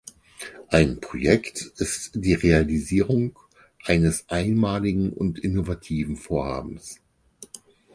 Ein Projekt ist die Realisierung eines einmaligen und innovativen Vorhabens.